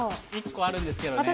１個あるんですけどね。